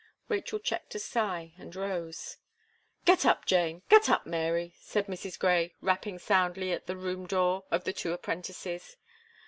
Rachel checked a sigh, and rose. "Get up Jane get up Mary," said Mrs. Gray, rapping soundly at the room door of the two apprentices.